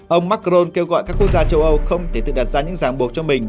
ông macron kêu gọi các quốc gia châu âu không thể tự đặt ra những ràng buộc cho mình